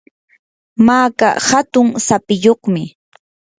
maka hatun sapiyuqmi.